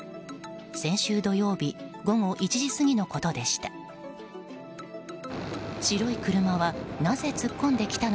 先週土曜日午後１時過ぎのことでした。